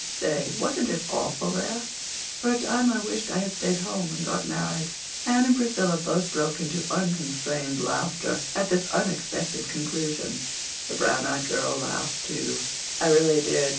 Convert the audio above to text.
Say, wasn't it awful there? For the time I wished I had stayed home and got married." Anne and Priscilla both broke into unconstrained laughter at this unexpected conclusion. The brown eyed girl laughed, too. "I really did.